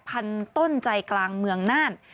พันต้นใจกลางเมืองน่าน